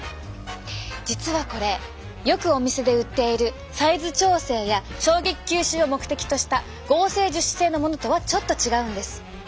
実はこれよくお店で売っているサイズ調整や衝撃吸収を目的とした合成樹脂製のものとはちょっと違うんです。